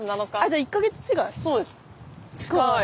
じゃあ１か月違い？